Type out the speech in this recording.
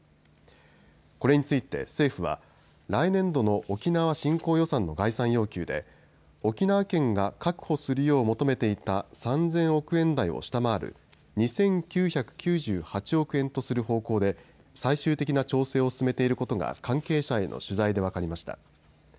これについて政府は来年度の沖縄振興予算の概算要求で沖縄県が確保するよう求めていた３０００億円台を下回る２９９８億円とする方向で最終的な調整を進めていることが関係者への取材で分かりました。